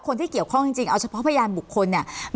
คนที่เกี่ยวข้องจริงเอาเฉพาะพยานบุคคลเนี่ย